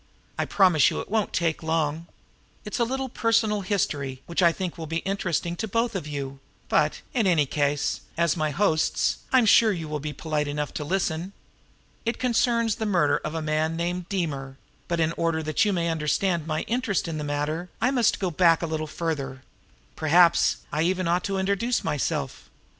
I promise you it won't take long. It's a little personal history which I think will be interesting to you both; but, in any case, as my hosts, I am sure you will be polite enough to listen. It concerns the murder of a man named Deemer; but in order that you may understand my interest in the matter, I must go back quite a little further. Perhaps I even ought to introduce myself.